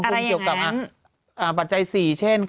อึก